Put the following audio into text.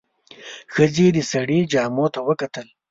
ښځې د سړي جامو ته وکتل.